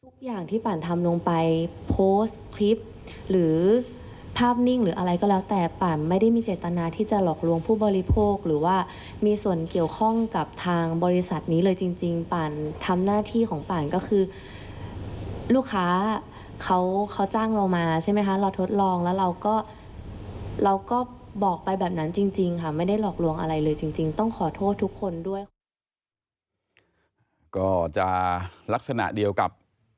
ก็จะลักษณะเดียวกับดาราที่มาเมื่อวานนี้นะครับ